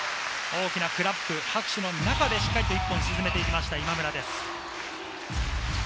大きなクラップ、拍手の中で１本沈めて行きました、今村です。